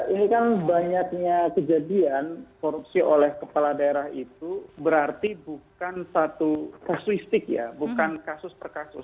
ini kan banyaknya kejadian korupsi oleh kepala daerah itu berarti bukan satu kasuistik ya bukan kasus per kasus